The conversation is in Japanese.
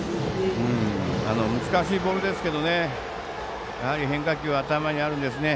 難しいボールですけどやはり変化球が頭にあるんですね。